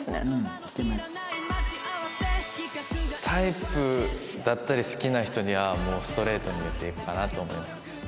タイプだったり好きな人にはもうストレートに言っていくかなと思います。